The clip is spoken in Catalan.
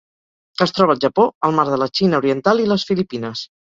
Es troba al Japó, el Mar de la Xina Oriental i les Filipines.